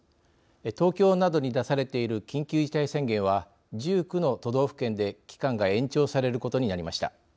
東京などに出されている緊急事態宣言は１９の都道府県で期間が延長されることになりました。